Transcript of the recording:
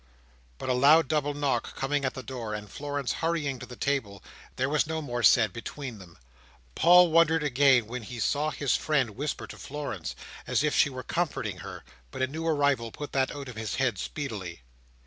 But a loud double knock coming at the door, and Florence hurrying to the table, there was no more said between them. Paul wondered again when he saw his friend whisper to Florence, as if she were comforting her; but a new arrival put that out of his head speedily.